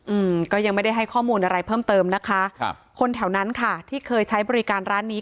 อืมก็ยังไม่ได้ให้ข้อมูลอะไรเพิ่มเติมนะคะครับคนแถวนั้นค่ะที่เคยใช้บริการร้านนี้